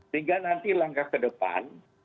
sehingga nanti langkah ke depan